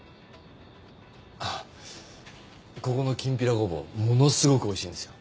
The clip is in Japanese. あっここのきんぴらごぼうものすごくおいしいんですよ。